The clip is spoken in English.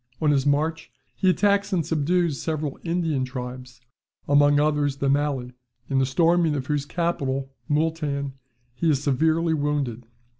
On his march he attacks and subdues several Indian tribes, among others the Malli; in the storming of whose capital (Mooltan), he is severely wounded.